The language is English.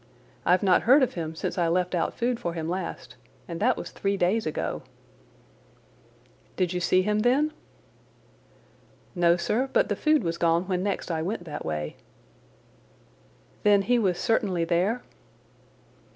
I've not heard of him since I left out food for him last, and that was three days ago." "Did you see him then?" "No, sir, but the food was gone when next I went that way." "Then he was certainly there?"